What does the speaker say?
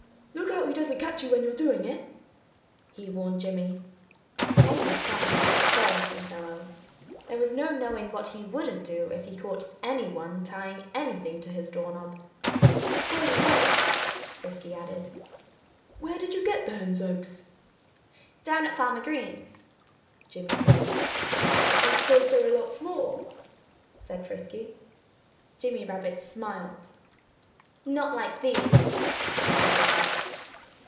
"Look out he doesn't catch you when you're doing it!" he warned Jimmy. Henry Skunk was a quarrelsome fellow. There was no knowing what he wouldn't do if he caught anyone tying anything to his doorknob. "By the way," Frisky added, "where did you get the hens' eggs?" "Down at Farmer Green's!" Jimmy said. "I suppose there are lots more," said Frisky. Jimmy Rabbit smiled. "Not like these!" he said.